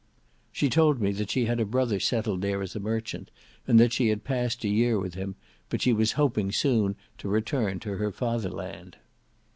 She told me that she had a brother settled there as a merchant, and that she had passed a year with him; but she was hoping soon to return to her father land.